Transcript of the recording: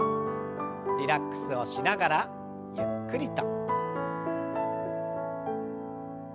リラックスをしながらゆっくりと。